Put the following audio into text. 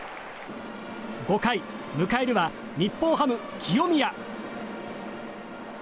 ５回、迎えるは日本ハム、清宮。